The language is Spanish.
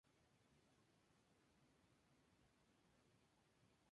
Un caso son las lápidas funerarias que pueden contemplarse en distintos lugares del municipio.